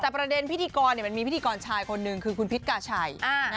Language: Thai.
แต่ประเด็นพิธีกรมันมีพิธีกรชายคนนึงคือคุณพิษกาชัย